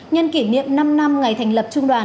nhân kỷ niệm năm năm ngày thành lập trung đoàn